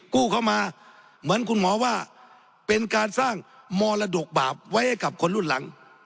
กู้เข้ามาเหมือนคุณหมอว่าเป็นการสร้างมรดกบาปไว้ให้กับคนรุ่นหลัง